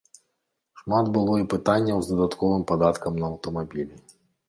Шмат было і пытанняў з дадатковым падаткам на аўтамабілі.